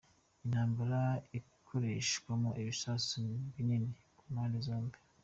Intambara irakoreshwamo ibisasu binini ku mpande zombi.